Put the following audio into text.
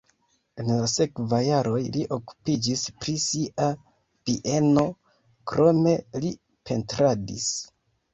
En la sekvaj jaroj li okupiĝis pri sia bieno, krome li pentradis.